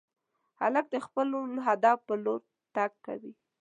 هلک د خپل هدف په لور تګ کوي.